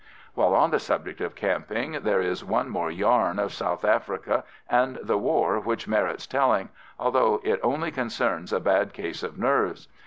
While on the subject of camping there is one more yarn of South Africa and the war which merits telling, although it only concerns a bad case of "nerves."